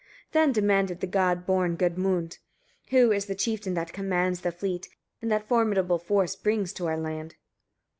32. Then demanded the god born Gudmund: "Who is the chieftain that commands the fleet, and that formidable force brings to our land?"